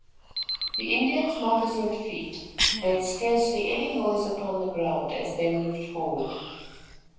The Indians' moccasined feet made scarcely any noise upon the ground, as they moved forward.